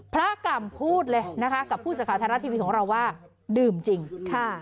พระกรรมพูดเลยนะคะกับผู้สาขาธารณะทีวีของเราว่าดื่มจริงค่ะ